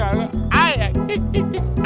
aduh sih kakak